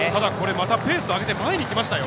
またペース上げて前にきましたよ。